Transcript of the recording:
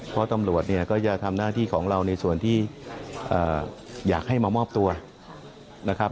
เพราะตำรวจเนี่ยก็จะทำหน้าที่ของเราในส่วนที่อยากให้มามอบตัวนะครับ